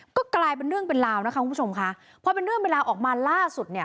ก็กลายเป็นเรื่องเป็นราวนะคะคุณผู้ชมค่ะพอเป็นเรื่องเป็นราวออกมาล่าสุดเนี่ย